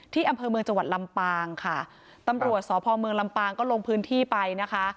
อำเภอเมืองจังหวัดลำปางค่ะตำรวจสพเมืองลำปางก็ลงพื้นที่ไปนะคะ